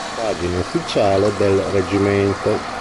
Pagina ufficiale del Reggimento